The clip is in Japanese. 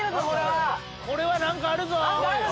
・これは何かあるぞ。